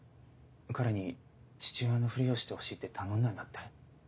彼に父親のふりをしてほしいって頼んだんだって？